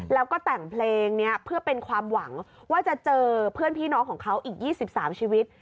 แล้วก็แต่งเพลงนี้เพื่อเป็นความหวังว่าจะเจอเพื่อนพี่น้องของเขาอีก๒๓ชีวิต